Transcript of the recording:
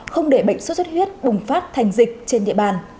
không để bệnh suốt suốt huyết bùng phát thành dịch trên địa bàn